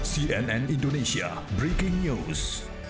cnn indonesia breaking news